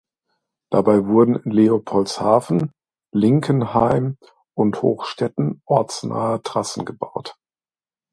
Dabei wurden in Leopoldshafen, Linkenheim und Hochstetten ortsnahe Trassen gebaut.